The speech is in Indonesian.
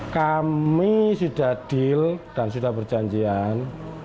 kami sudah deal dan sudah berjanjian